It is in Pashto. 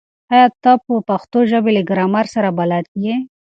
ایا ته د پښتو ژبې له ګرامر سره بلد یې؟